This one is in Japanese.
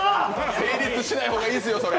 成立しない方がいいですよ、それ。